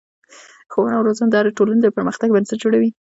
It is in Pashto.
ښوونه او روزنه د هرې ټولنې د پرمختګ بنسټ جوړوي.